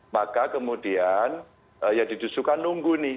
maka kemudian ya di susukan nunggu nih